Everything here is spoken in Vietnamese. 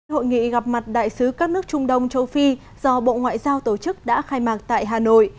hội nghị gặp mặt đại sứ các nước trung đông châu phi do bộ ngoại giao tổ chức đã khai mạc tại hà nội